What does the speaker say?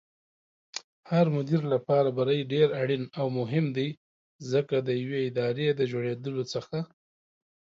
هرمدير لپاره بری ډېر اړين او مهم دی ځکه ديوې ادارې دجوړېدلو څخه